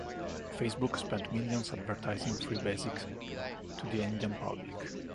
Facebook spent millions advertising Free Basics to the Indian public.